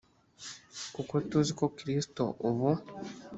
kuko tuzi ko Kristo ubu